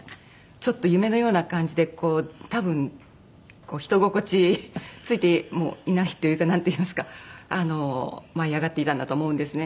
ちょっと夢のような感じでこう多分人心地ついてもいないというかなんていいますかあの舞い上がっていたんだと思うんですね。